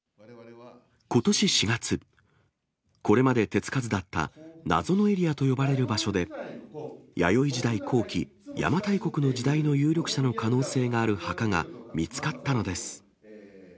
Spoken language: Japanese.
ことし４月、これまで手付かずだった謎のエリアと呼ばれる場所で、弥生時代後期、邪馬台国の時代の有力者の可能性がある墓が見つかったのです。